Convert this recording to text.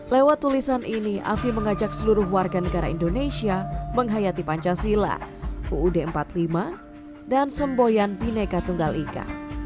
lewat tulisan ini afi mengajak seluruh warga negara indonesia menghayati pancasila uud empat puluh lima dan semboyan bineka tunggal ika